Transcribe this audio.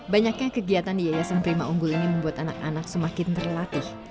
banyaknya kegiatan di yayasan prima unggul ini membuat anak anak semakin terlatih